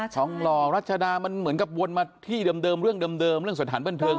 หล่อรัชดามันเหมือนกับวนมาที่เดิมเรื่องเดิมเรื่องสถานบันเทิง